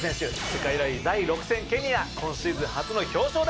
世界ラリー第６戦ケニア今シーズン初の表彰台。